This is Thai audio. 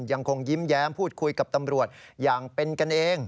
ยังคงยิ้มแย้มพูดคุยกับตำรวจอย่างเป็นกันเอง